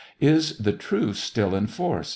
" Is the truce still in force ?